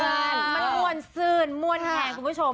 มันมว่านซื่นมว่านแข่งคุณผู้ชม